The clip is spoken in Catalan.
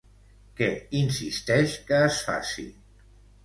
Què insisteix que es faci?